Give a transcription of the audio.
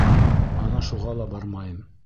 Ана шуға ла бармайым!